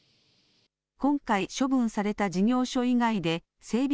今回、処分された事業所以外で整備